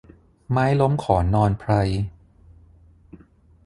ไม้ล้มขอนนอนไพร